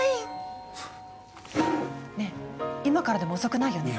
ねえ今からでも遅くないよね